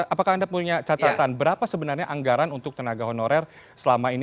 apakah anda punya catatan berapa sebenarnya anggaran untuk tenaga honorer selama ini